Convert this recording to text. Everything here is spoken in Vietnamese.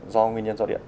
do nguyên nhân do điện